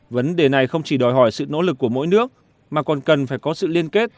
vấn đề này không chỉ đòi hỏi sự nỗ lực của mỗi nước mà còn cần phải có sự liên kết